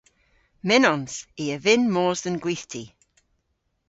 Mynnons. I a vynn mos dhe'n gwithti.